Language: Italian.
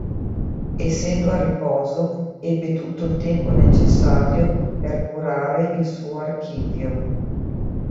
Essendo a riposo, ebbe tutto il tempo necessario per curare il suo archivio.